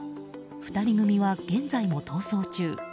２人組は現在も逃走中。